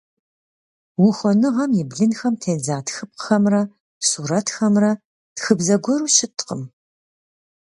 Ухуэныгъэм и блынхэм тедза тхыпхъэхэмрэ сурэтхэмрэ тхыбзэ гуэру щыткъым.